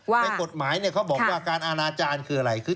ในกฎหมายเขาบอกว่าการอาณาจารย์คืออะไร